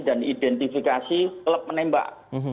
dan identifikasi klub menembak